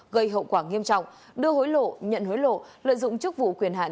gây hậu quả nghiêm trọng đưa hối lộ nhận hối lộ lợi dụng chức vụ quyền hạn